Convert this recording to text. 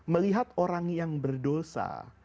melihat orang yang berdosa